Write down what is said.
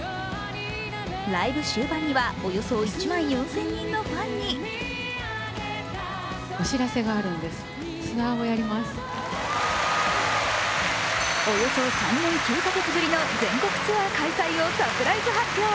ライブ終盤にはおよそ１万４０００人のファンにおよそ３年９か月ぶりの全国ツアー開催をサプライズ発表。